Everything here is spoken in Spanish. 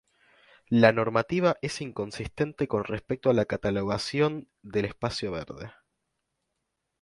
La normativa es inconsistente con respecto a la catalogación del espacio verde.